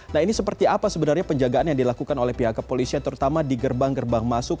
nah ini seperti apa sebenarnya penjagaan yang dilakukan oleh pihak kepolisian terutama di gerbang gerbang masuk